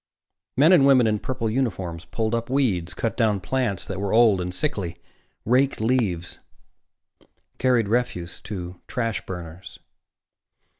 Men and women in purple uniforms pulled up weeds, cut down plants that were old and sickly, raked leaves, carried refuse to trash burners.